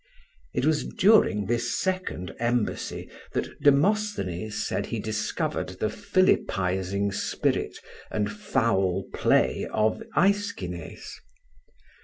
It was during this second embassy that Demothenes says he discovered the philippizing spirit and foul play of Aeschines.